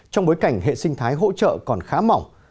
trong bối cảnh hệ sinh thái hỗ trợ còn khá mỏng